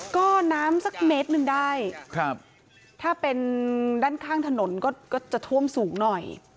ก็น้ำสักเมตรหนึ่งได้ถ้าเป็นด้านข้างถนนก็จะท่วมสูงหน่อย